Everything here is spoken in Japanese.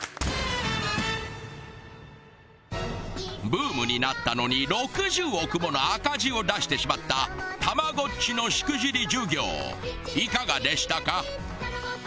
ブームになったのに６０億もの赤字を出してしまったたまごっちのしくじり授業いかがでしたか？